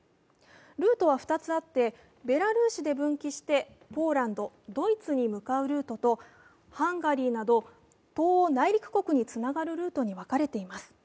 ルートは２つあって、ベラルーシで分岐してポーランド、ドイツに向かうルートとハンガリーなど東欧内陸国につながるルートに分かれています。